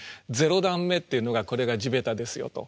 ０段目っていうのがこれが地べたですよと。